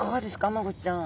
マゴチちゃん。